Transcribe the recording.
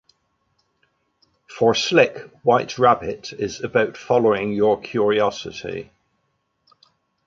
For Slick, "White Rabbit" "is about following your curiosity.